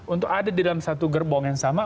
untuk ada di dalam satu gerbong yang sama